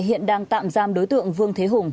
hiện đang tạm giam đối tượng vương thế hùng